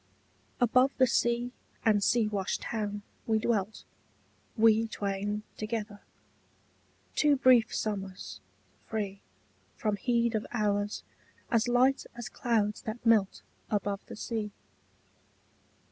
Above the sea and sea washed town we dwelt, We twain together, two brief summers, free From heed of hours as light as clouds that melt Above the sea.